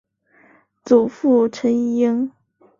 祖父陈尹英。